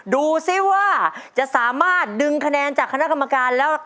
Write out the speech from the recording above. ดูสิว่าจะสามารถดึงคะแนนจากคณะกรรมการแล้ว